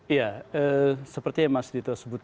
iya seperti yang mas dito sebutkan